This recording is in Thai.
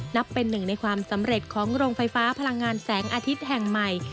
นับเป็นหนึ่งในความสำเร็จของโรงไฟฟ้าพลังงานแสงอาทิตย์แห่งใหม่